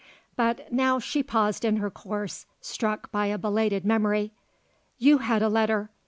But now she paused in her course, struck by a belated memory. "You had a letter.